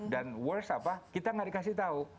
dan worst apa kita gak dikasih tahu